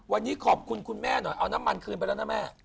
วันนี้ขอบคุณคุณแม่หน่อยเอาน้ำมันคืนไปแล้วนะแม่